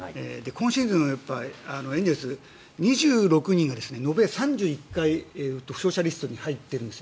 今シーズンエンゼルス、２６人が延べ３１回、負傷者リストに入っているんです。